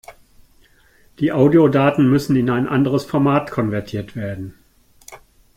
Die Audiodaten müssen in ein anderes Format konvertiert werden.